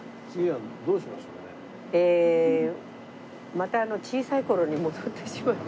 また小さい頃に戻ってしまいまして。